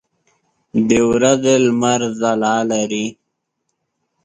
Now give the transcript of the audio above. د ورځې لمر ځلا لري.